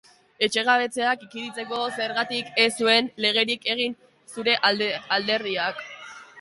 Etxegabetzeak ekiditeko zergatik ez zuen legerik egin zure alderdiak?